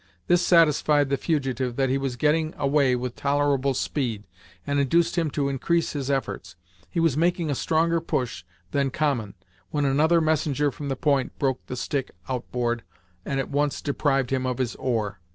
This satisfied the fugitive that he was getting away with tolerable speed, and induced him to increase his efforts. He was making a stronger push than common, when another messenger from the point broke the stick out board, and at once deprived him of his oar.